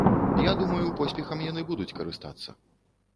Я думаю, поспехам яны будуць карыстацца.